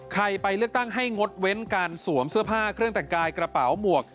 ไปเลือกตั้งให้งดเว้นการสวมเสื้อผ้าเครื่องแต่งกายกระเป๋าหมวก